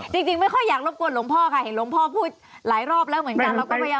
จริงไม่ค่อยอยากรบกวนหลวงพ่อค่ะเห็นหลวงพ่อพูดหลายรอบแล้วเหมือนกันเราก็พยายาม